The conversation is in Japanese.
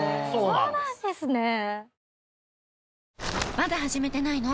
まだ始めてないの？